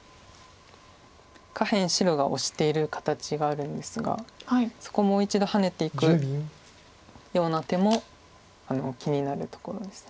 下辺白がオシている形があるんですがそこもう一度ハネていくような手も気になるところです。